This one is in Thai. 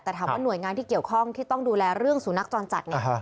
แต่ถามว่าหน่วยงานที่เกี่ยวข้องที่ต้องดูแลเรื่องสุนัขจรจัดเนี่ย